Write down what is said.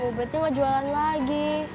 ya umur betnya gak jualan lagi